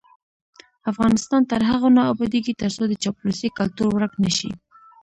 افغانستان تر هغو نه ابادیږي، ترڅو د چاپلوسۍ کلتور ورک نشي.